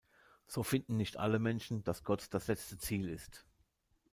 So finden nicht alle Menschen, dass Gott das letzte Ziel ist.